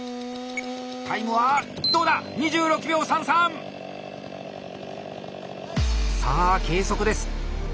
タイムはどうだ⁉さあ計測です！